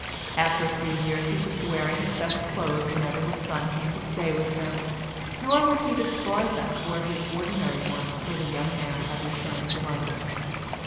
After a few years he took to wearing his best clothes whenever his son came to stay with him, nor would he discard them for his ordinary ones till the young man had returned to London.